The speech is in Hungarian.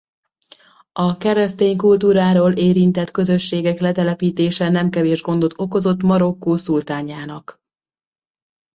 A keresztény kultúrától érintett közösségek letelepítése nem kevés gondot okozott Marokkó szultánjának.